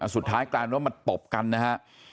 สุดท้ายกลายว่ามาตบกันนะฮะ